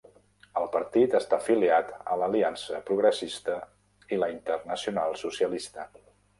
El partit està afiliat a l'Aliança Progressista i la Internacional Socialista.